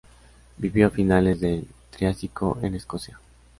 Vivió a finales del Triásico en Escocia.